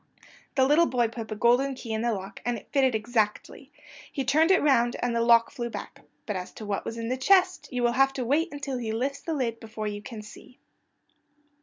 The little boy put the golden key in the lock and it fitted exactly. He turned it round and the lock flew back. But as to what was in the chest you will have to wait until he lifts the lid before you can see.